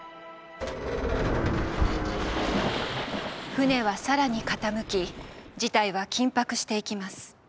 船は更に傾き事態は緊迫していきます。